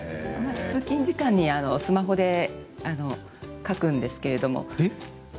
通勤時間にスマホで書くんですけれども。